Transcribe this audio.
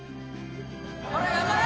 ほら頑張れ！